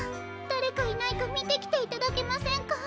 だれかいないかみてきていただけませんか？